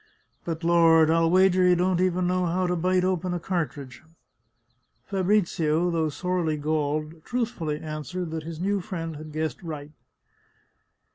But, Lord! I'll wager you don't even know how to bite open a cartridge !" Fabrizio, though sorely galled, truthfully answered that his new friend had guessed aright.